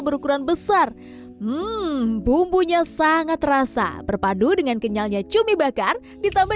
berukuran besar hmm bumbunya sangat terasa berpadu dengan kenyalnya cumi bakar ditambah